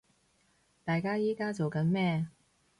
大家依家做緊咩